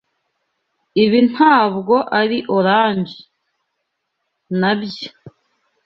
Ibi ntabwo ari orange, nabyo.